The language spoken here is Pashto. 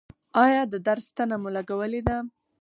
ایا د درد ستنه مو لګولې ده؟